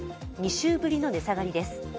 ２週ぶりの値下がりです。